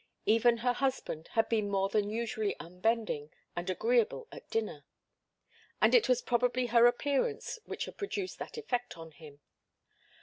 Even her husband had been more than usually unbending and agreeable at dinner, and it was probably her appearance which had produced that effect on him.